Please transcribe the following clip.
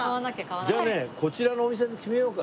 じゃあねこちらのお店に決めようか。